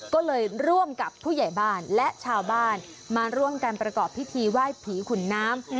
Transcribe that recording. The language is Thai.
ก็เลยร่วมกับผู้ใหญ่บ้านและชาวบ้านมาร่วมกันประกอบพิธีไหว้ผีขุนน้ำ